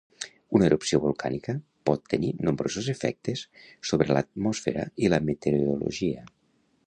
Una erupció volcànica pot tenir nombrosos efectes sobre l'atmosfera i la meteorologia.